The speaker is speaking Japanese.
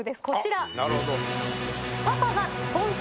こちら。